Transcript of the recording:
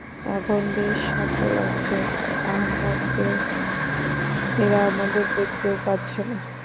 এখন বেশ শান্ত লাগছে আহম্মকদের, এরা আমাদের দেখতেও পাচ্ছে না।